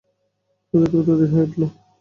ক্রোধে ক্রোধে অধীর হয়ে উঠল।